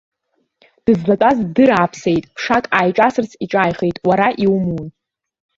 Дызлатәаз ддырааԥсеит, ԥшак ааиҿаирсырц иҿааихеит, уара иумун!